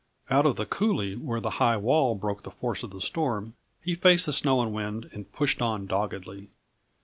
Out of the coulée where the high wall broke the force of the storm, he faced the snow and wind and pushed on doggedly.